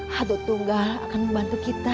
hado tunggal akan membantu kita